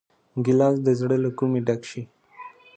ګیلاس د زړه له کومي ډک شي.